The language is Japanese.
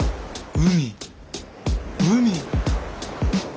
海！